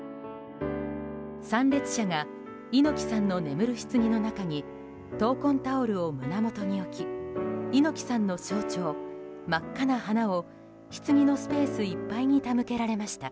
参列者が猪木さんの眠るひつぎの中に闘魂タオルを胸元に置き猪木さんの象徴、真っ赤な花をひつぎのスペースいっぱいに手向けられました。